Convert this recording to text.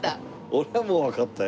俺はもうわかったよ。